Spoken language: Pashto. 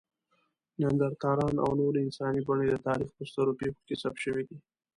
نیاندرتالان او نورې انساني بڼې د تاریخ په سترو پېښو کې ثبت شوي دي.